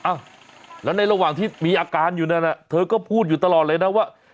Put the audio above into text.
อ้าวแล้วในระหว่างที่มีอาการอยู่นั่นเธอก็พูดอยู่ตลอดเลยนะว่า